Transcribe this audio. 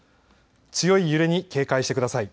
強い揺れに警戒してください。